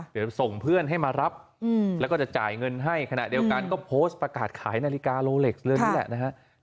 เดี๋ยวส่งเพื่อนให้มารับแล้วก็จะจ่ายเงินให้ขณะเดียวกันก็โพสต์ประกาศขายนาฬิกาโลเล็กซ์เรื่องนี้แหละนะฮะ